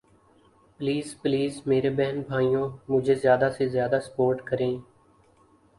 please please میرے بہن بھائیوں مجھے زیادہ سے زیادہ سپورٹ کریں